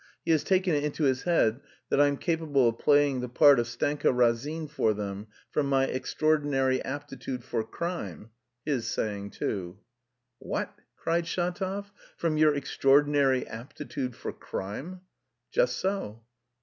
He has taken it into his head that I'm capable of playing the part of Stenka Razin for them, 'from my extraordinary aptitude for crime,' his saying too." "What?" cried Shatov, "'from your extraordinary aptitude for crime'?" "Just so."